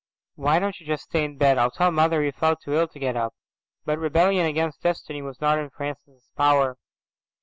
"Why don't you just stay in bed? I'll tell mother you felt too ill to get up." But rebellion against destiny was not in Francis's power.